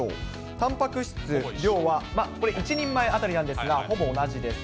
たんぱく質、量はこれ、１人前当たりなんですがほぼ同じです。